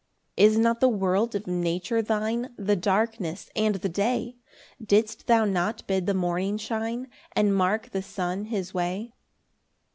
13 Is not the world of nature thine, The darkness and the day? Didst thou not bid the morning shine, And mark the sun his way?